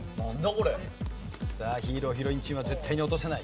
さあヒーローヒロインチームは絶対に落とせない。